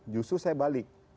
justru saya balik